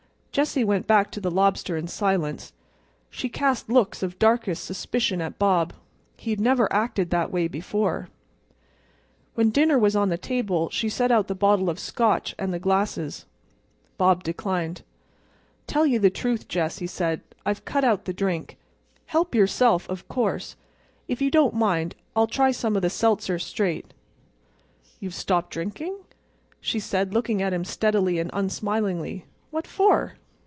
Jessie went back to the lobster in silence. She cast looks of darkest suspicion at Bob. He had never acted that way before. When dinner was on the table she set out the bottle of Scotch and the glasses. Bob declined. "Tell you the truth, Jess," he said. "I've cut out the drink. Help yourself, of course. If you don't mind I'll try some of the seltzer straight." "You've stopped drinking?" she said, looking at him steadily and unsmilingly. "What for?"